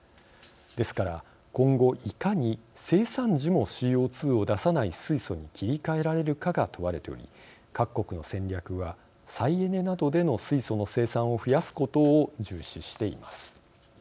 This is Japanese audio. ですから、今後いかに生産時もＣＯ２を出さない水素に切り替えられるかが問われており各国の戦略は再エネなどでの水素の生産を増やすことを重視しています。